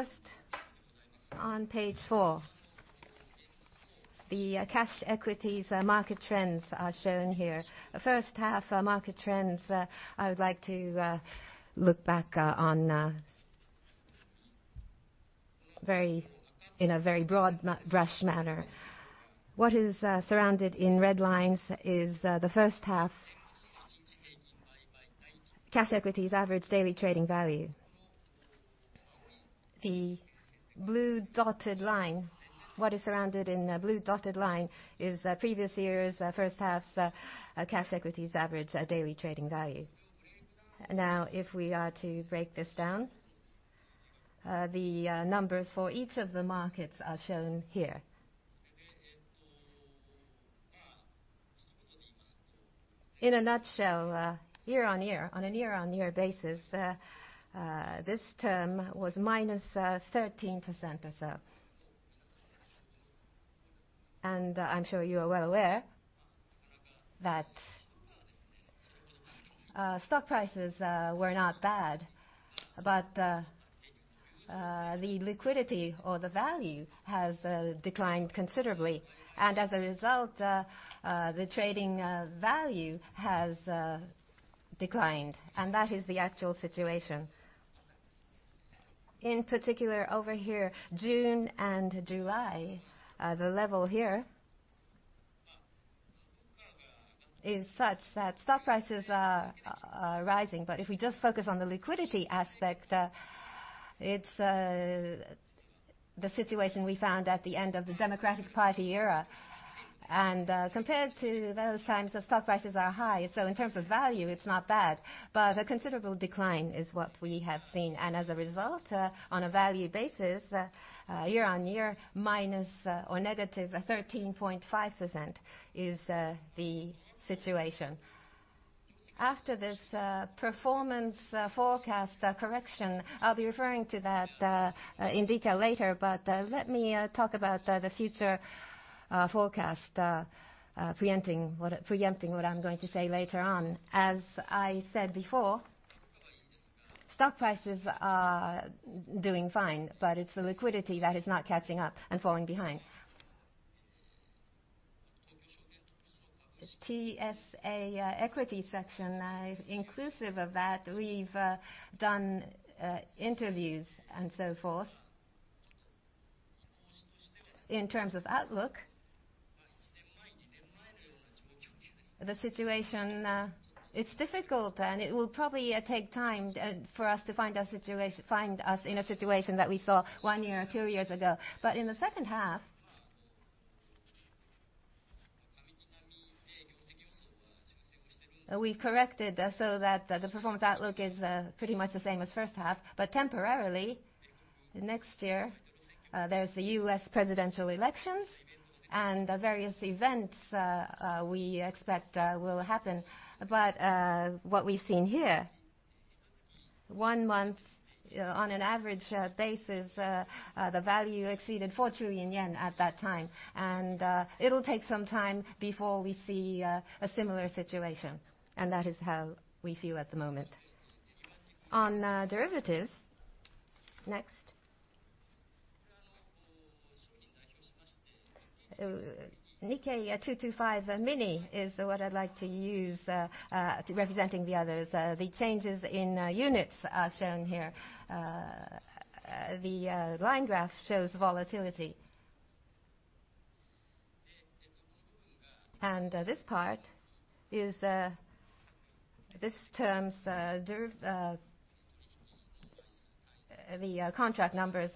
First, on page four, the cash equities market trends are shown here. The first half market trends, I would like to look back on in a very broad brush manner. What is surrounded in red lines is the first half cash equities average daily trading value. What is surrounded in a blue dotted line is the previous year's first half's cash equities average daily trading value. If we are to break this down, the numbers for each of the markets are shown here. In a nutshell, on a year-on-year basis, this term was -13%. I'm sure you are well aware that stock prices were not bad, but the liquidity or the value has declined considerably. As a result, the trading value has declined. That is the actual situation. In particular, over here, June and July, the level here is such that stock prices are rising. If we just focus on the liquidity aspect, it's the situation we found at the end of the Democratic Party era. Compared to those times, the stock prices are high. In terms of value, it's not bad, but a considerable decline is what we have seen. As a result, on a value basis, year-on-year, minus or negative 13.5% is the situation. After this performance forecast correction, I'll be referring to that in detail later, but let me talk about the future forecast, preempting what I'm going to say later on. As I said before, stock prices are doing fine, but it's the liquidity that is not catching up and falling behind. TSE equity section, inclusive of that, we've done interviews and so forth. In terms of outlook, the situation is difficult. It will probably take time for us to find us in a situation that we saw one year or two years ago. In the second half, we corrected so that the performance outlook is pretty much the same as first half. Temporarily, next year, there's the U.S. presidential elections and various events we expect will happen. What we've seen here, one month on an average basis, the value exceeded 4 trillion yen at that time. It'll take some time before we see a similar situation. That is how we feel at the moment. On derivatives, next. Nikkei 225 mini is what I'd like to use representing the others. The changes in units are shown here. The line graph shows volatility. This part is the contract numbers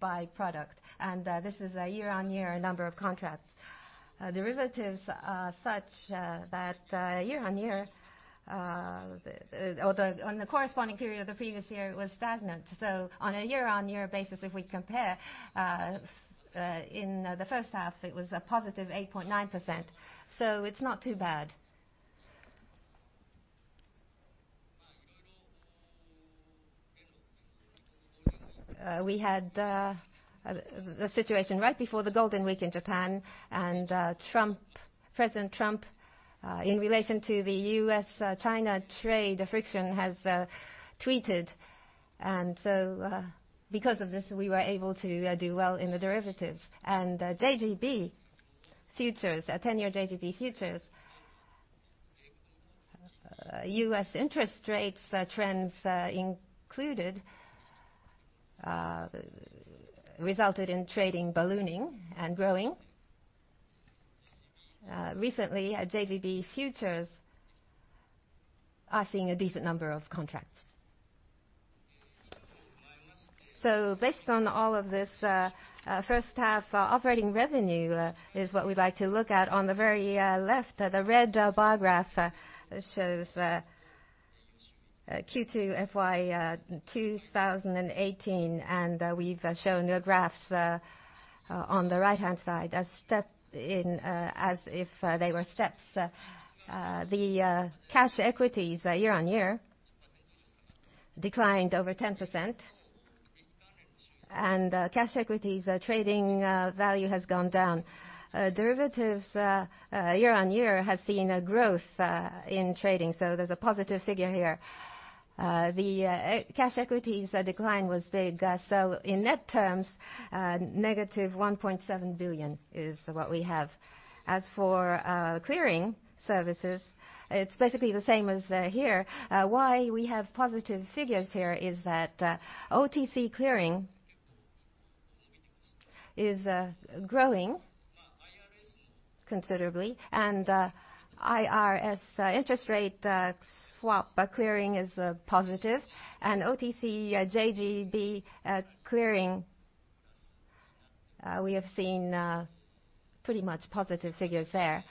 by product, and this is a year-on-year number of contracts. Derivatives are such that on the corresponding period of the previous year, it was stagnant. On a year-on-year basis, if we compare, in the first half, it was a positive 8.9%, so it's not too bad. We had the situation right before the Golden Week in Japan, and President Trump, in relation to the US-China trade friction, has tweeted. Because of this, we were able to do well in the derivatives. 10-year JGB futures, US interest rates trends included resulted in trading ballooning and growing. Recently, JGB futures are seeing a decent number of contracts. Based on all of this first half operating revenue is what we'd like to look at. On the very left, the red bar graph shows Q2 FY 2018, and we've shown the graphs on the right-hand side as if they were steps. The cash equities year-on-year declined over 10%, and cash equities trading value has gone down. Derivatives year-on-year has seen a growth in trading. There's a positive figure here. The cash equities decline was big. In net terms, negative 1.7 billion is what we have. As for clearing services, it's basically the same as here. Why we have positive figures here is that OTC clearing is growing considerably, and IRS interest rate swap clearing is positive. OTC JGB clearing, we have seen pretty much positive figures there.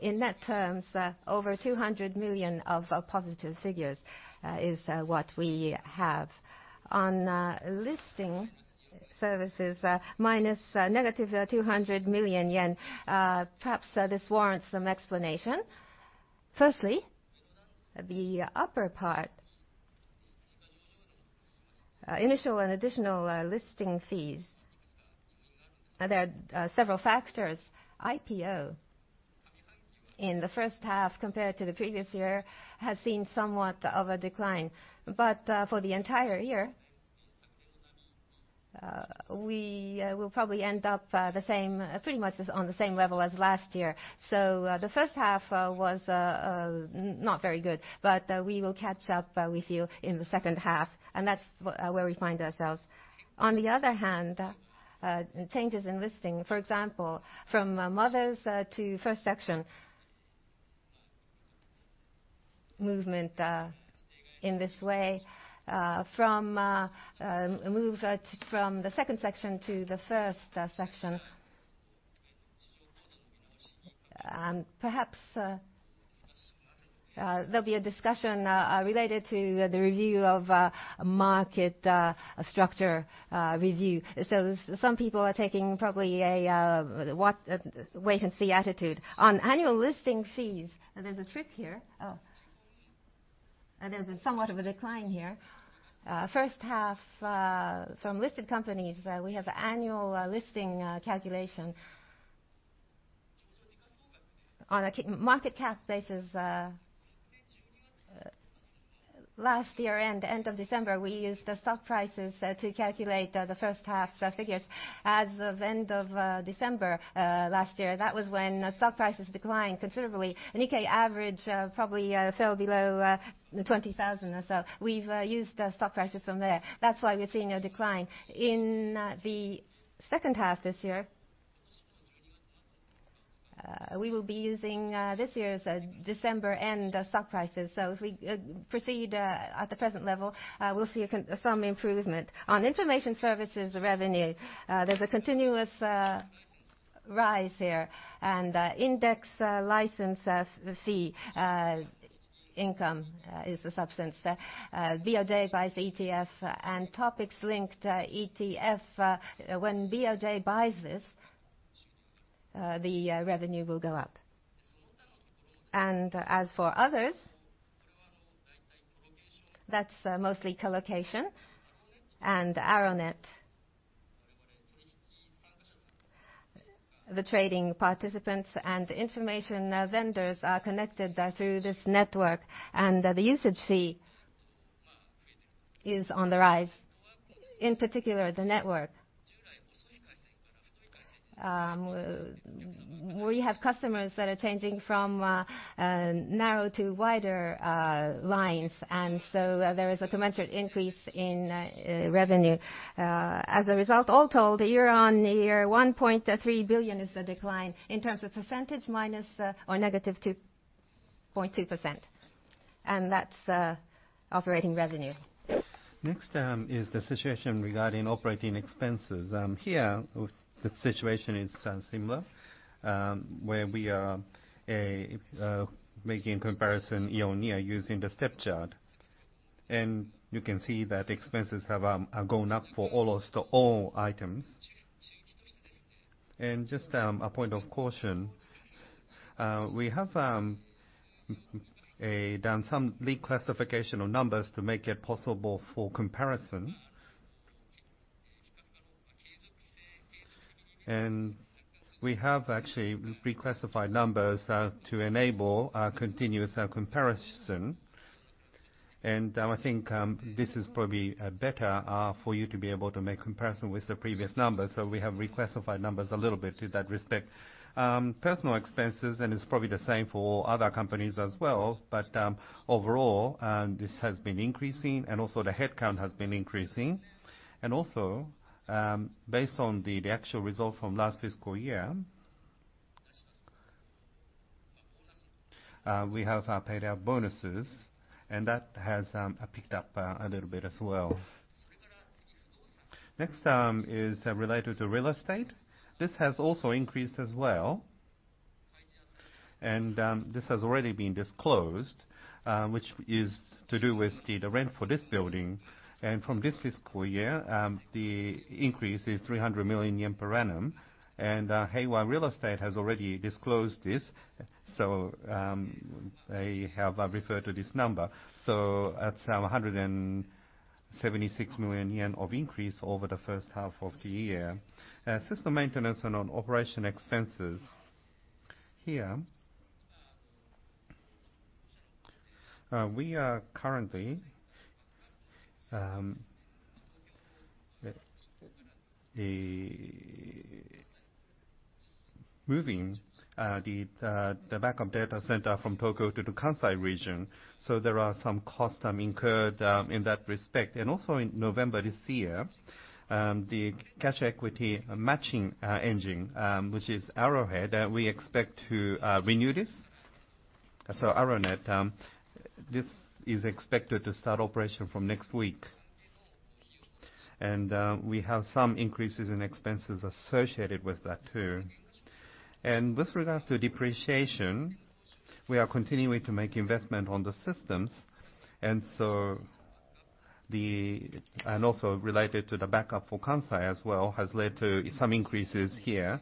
In net terms, over 200 million of positive figures is what we have. On listing services, negative 200 million yen. Perhaps this warrants some explanation. Firstly, the upper part, initial and additional listing fees. There are several factors. IPO in the first half compared to the previous year has seen somewhat of a decline. For the entire year, we will probably end up pretty much on the same level as last year. The first half was not very good, but we will catch up, we feel, in the second half, and that's where we find ourselves. On the other hand, changes in listing. For example, from Mothers to first section. Movement in this way, move from the second section to the first section. Perhaps there'll be a discussion related to the market structure review. Some people are taking probably a wait and see attitude. On annual listing fees, there's a trick here. There's somewhat of a decline here. First half from listed companies, we have annual listing calculation on a market cap basis. Last year-end, end of December, we used the stock prices to calculate the first half figures as of end of December last year. That was when stock prices declined considerably. Nikkei Average probably fell below 20,000 or so. We've used stock prices from there. That's why we're seeing a decline. In the second half this year, we will be using this year's December end stock prices. If we proceed at the present level, we'll see some improvement. On information services revenue, there's a continuous rise here, index license fee income is the substance there. BOJ buys ETF and TOPIX linked ETF. When BOJ buys this, the revenue will go up. As for others, that's mostly colocation and arrownet. The trading participants and information vendors are connected through this network, the usage fee is on the rise. In particular, the network. We have customers that are changing from narrow to wider lines, and so there is a commensurate increase in revenue. As a result, all told, year-on-year, 1.3 billion is the decline. In terms of percentage, -2.2%. That's operating revenue. Next is the situation regarding operating expenses. Here, the situation is similar, where we are making comparison year-on-year using the step chart. You can see that expenses have gone up for almost all items. Just a point of caution, we have done some reclassification of numbers to make it possible for comparison. We have actually reclassified numbers to enable continuous comparison. I think this is probably better for you to be able to make comparison with the previous numbers. We have reclassified numbers a little bit to that respect. Personnel expenses, and it's probably the same for other companies as well, but overall, this has been increasing, and also the headcount has been increasing. Also, based on the actual result from last fiscal year, we have paid out bonuses, and that has picked up a little bit as well. Next is related to real estate. This has also increased as well. This has already been disclosed, which is to do with the rent for this building. From this fiscal year, the increase is 300 million yen per annum. Heiwa Real Estate has already disclosed this, so I have referred to this number. That's 176 million yen of increase over the first half of the year. System maintenance and operation expenses. We are currently moving the backup data center from Tokyo to the Kansai region, so there are some costs incurred in that respect. In November this year, the cash equity matching engine, which is arrowhead, we expect to renew this. arrowhead, this is expected to start operation from next week. We have some increases in expenses associated with that too. With regards to depreciation, we are continuing to make investment on the systems. Also related to the backup for Kansai as well, has led to some increases here.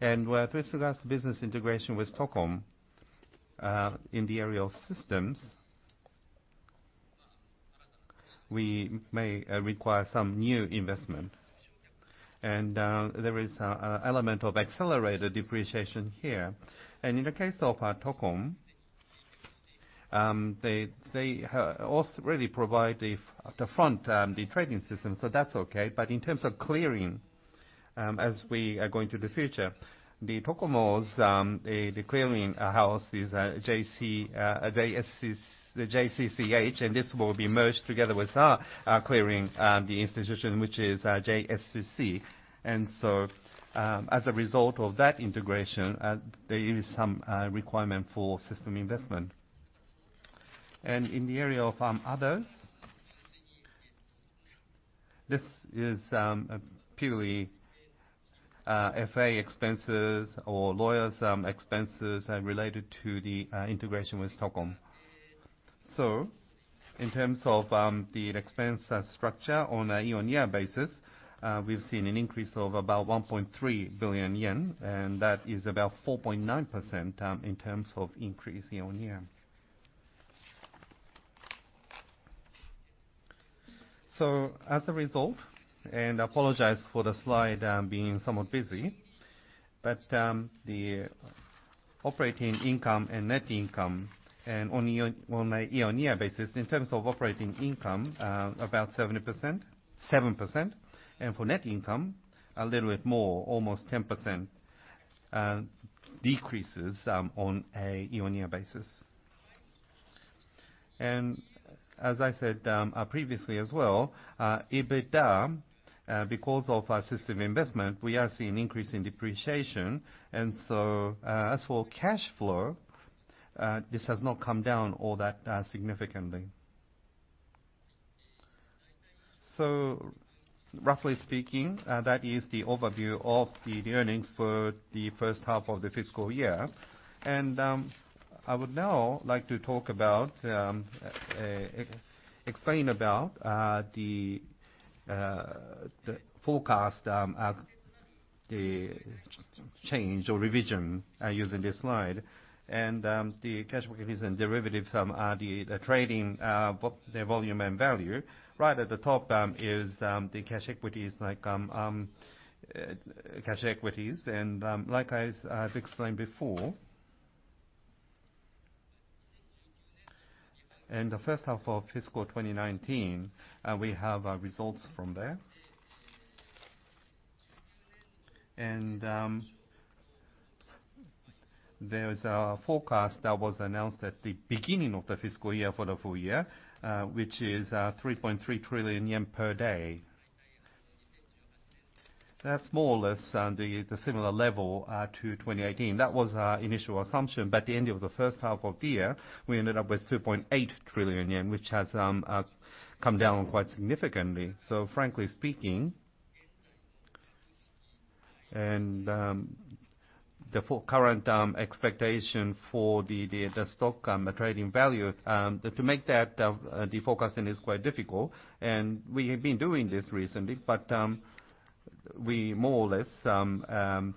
With regards to business integration with TOCOM, in the area of systems, we may require some new investment. There is an element of accelerated depreciation here. In the case of TOCOM, they also really provide the front, the trading system, so that's okay. In terms of clearing, as we are going to the future, the TOCOM's, the clearing house is JCCH, and this will be merged together with our clearing, the institution, which is JSCC. As a result of that integration, there is some requirement for system investment. In the area of others, this is purely FA expenses or lawyers' expenses related to the integration with TOCOM. In terms of the expense structure on a year-on-year basis, we've seen an increase of about 1.3 billion yen, and that is about 4.9% in terms of increase year-on-year. As a result, and I apologize for the slide being somewhat busy, but the operating income and net income on a year-on-year basis, in terms of operating income, about 7%, and for net income, a little bit more, almost 10% decreases on a year-on-year basis. As I said previously as well, EBITDA, because of our system investment, we are seeing increase in depreciation. As for cash flow, this has not come down all that significantly. Roughly speaking, that is the overview of the earnings for the first half of the fiscal year. I would now like to talk about, explain about the forecast, the change or revision using this slide. The cash equities and derivatives are the trading, both the volume and value. Right at the top is the cash equities. Like I explained before, in the first half of fiscal 2019, we have results from there. There is a forecast that was announced at the beginning of the fiscal year for the full year, which is 3.3 trillion yen per day. That's more or less the similar level to 2018. That was our initial assumption. By the end of the first half of the year, we ended up with 2.8 trillion yen, which has come down quite significantly. Frankly speaking, the current expectation for the stock trading value, to make the forecasting is quite difficult. We have been doing this recently, but we more or less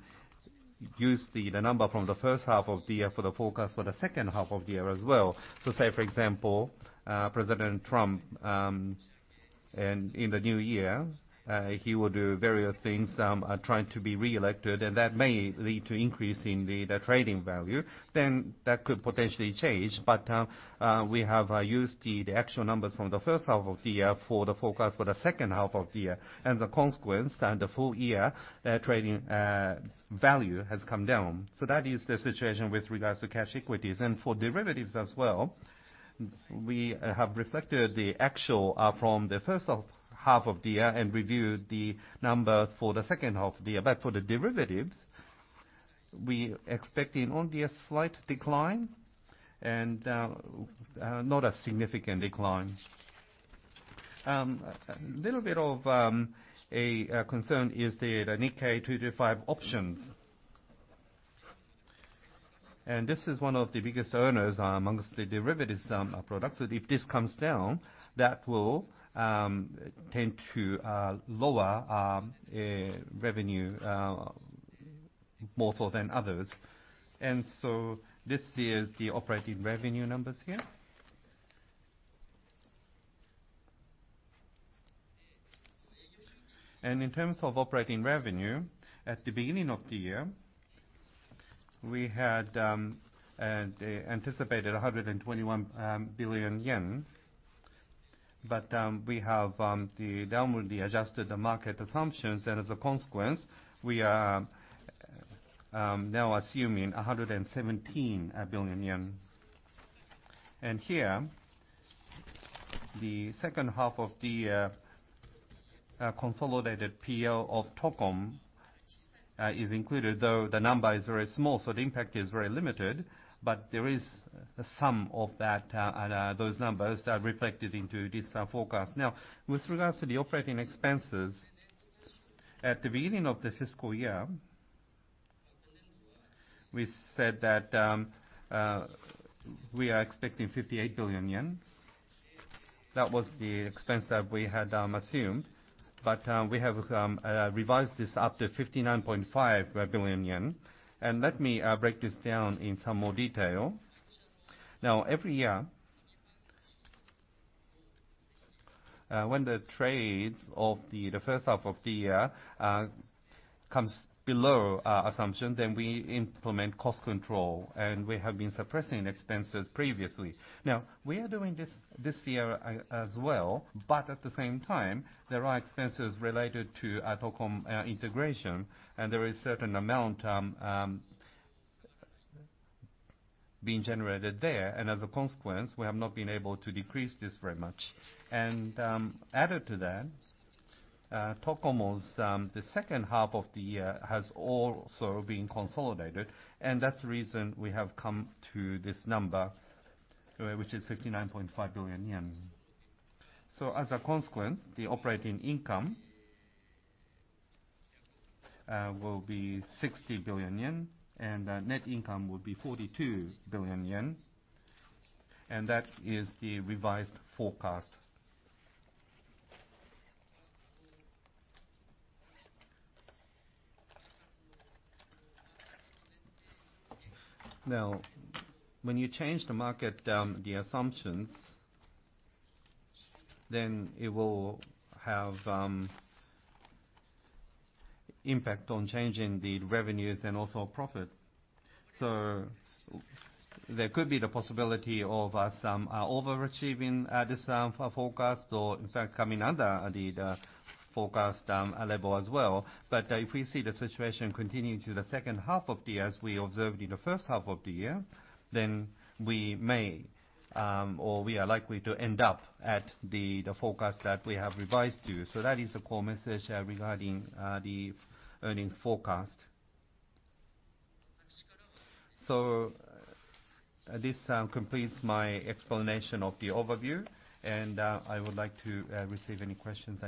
use the number from the first half of the year for the forecast for the second half of the year as well. Say, for example, President Trump, in the new year, he will do various things, trying to be reelected, and that may lead to increase in the trading value. That could potentially change, but we have used the actual numbers from the first half of the year for the forecast for the second half of the year. The consequence, the full year trading value has come down. That is the situation with regards to cash equities. For derivatives as well, we have reflected the actual from the first half of the year and reviewed the numbers for the second half of the year. For the derivatives, we're expecting only a slight decline and not a significant decline. Little bit of a concern is the Nikkei 225 Options. This is one of the biggest earners amongst the derivatives products. If this comes down, that will tend to lower our revenue more so than others. This here is the operating revenue numbers here. In terms of operating revenue, at the beginning of the year, we had anticipated 121 billion yen. We have downwardly adjusted the market assumptions, and as a consequence, we are now assuming JPY 117 billion. Here, the second half of the consolidated P&L of TOCOM is included, though the number is very small, so the impact is very limited. There is a sum of those numbers that are reflected into this forecast. With regards to the operating expenses, at the beginning of the fiscal year, we said that we are expecting 58 billion yen. That was the expense that we had assumed. We have revised this up to 59.5 billion yen. Let me break this down in some more detail. Every year, when the trades of the first half of the year comes below our assumption, then we implement cost control, and we have been suppressing expenses previously. We are doing this this year as well, but at the same time, there are expenses related to TOCOM integration, and there is certain amount being generated there. As a consequence, we have not been able to decrease this very much. Added to that, TOCOM was the second half of the year has also been consolidated, and that is the reason we have come to this number, which is 59.5 billion yen. As a consequence, the operating income will be 60 billion yen, and net income will be 42 billion yen. That is the revised forecast. When you change the market, the assumptions, it will have impact on changing the revenues and also profit. There could be the possibility of us overachieving this forecast or, in fact, coming under the forecast level as well. If we see the situation continuing to the second half of the year as we observed in the first half of the year, we may, or we are likely to end up at the forecast that we have revised to. That is the core message regarding the earnings forecast. This completes my explanation of the overview, and I would like to receive any questions.